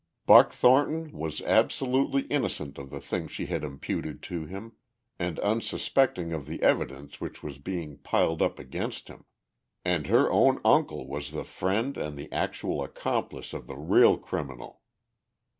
Buck Thornton was absolutely innocent of the thing she had imputed to him, and unsuspecting of the evidence which was being piled up against him. And her own uncle was the friend and the actual accomplice of the real criminal.